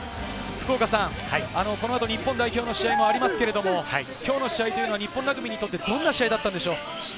福岡さん、この後日本代表の試合もありますが、今日の試合は日本ラグビーにとってどんな試合でしたか？